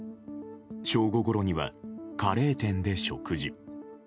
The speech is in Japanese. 正午ごろにはカレー店で食事。